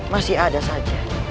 masih ada saja